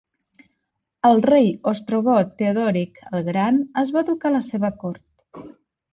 El rei ostrogot Teodoric el Gran es va educar a la seva cort.